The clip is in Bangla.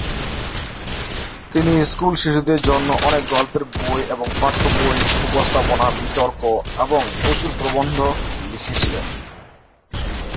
তিনি স্কুল শিশুদের জন্য অনেক গল্পের বই এবং পাঠ্য বই, উপস্থাপনা, বিতর্ক এবং প্রচুর প্রবন্ধ লিখেছিলেন।